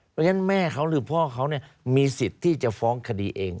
เพราะฉะนั้นแม่เขาหรือพ่อเขามีสิทธิ์ที่จะฟ้องคดีเอง